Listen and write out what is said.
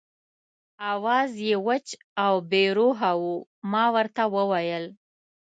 آواز یې وچ او بې روحه و، ما ورته وویل.